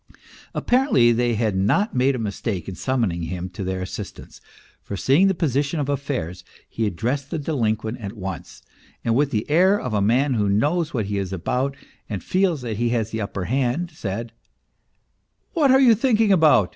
Apparently they had not made a mistake in summoning him to their assistance, for seeing the position of affairs, he addressed the delinquent at once, and with the air of a man who knows what he is about and feels that he has the upper hand, said :" What are you thinking about